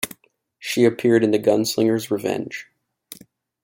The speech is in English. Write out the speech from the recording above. She appeared in "Gunslinger's Revenge".